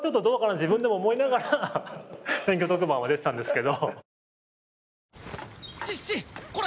自分でも思いながら選挙特番は出てたんですけど。